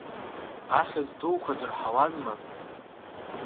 Ахьӡ дуқәа дырҳауазма?!